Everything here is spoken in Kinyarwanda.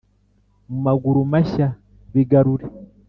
mu maguru mashya bigarure